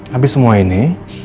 habis semua ini